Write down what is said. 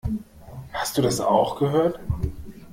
Hast du das auch gehört?